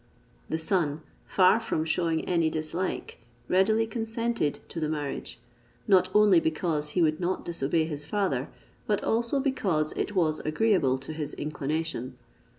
The son, far from shewing any dislike, readily consented to the marriage; not only because he would not disobey his father, but also because it was agreeable to his inclination.